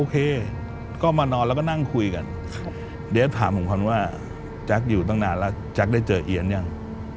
เดฟทำผมกันว่าแจ็กอยู่ตั้งนานแล้วแจ็กได้เจอเยียนหรือยัง